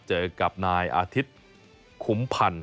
เจอกับนายอาทิตย์คุ้มพันธ์